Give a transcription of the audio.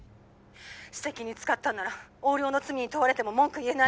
☎私的に使ったのなら横領の罪に問われても文句言えない